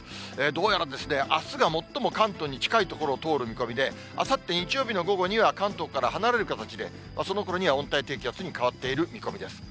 どうやらあすが最も関東に近い所を通る見込みで、あさって日曜日の午後には関東から離れる形で、そのころには温帯低気圧に変わっている見込みです。